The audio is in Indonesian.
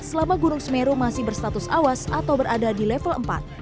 selama gunung semeru masih berstatus awas atau berada di level empat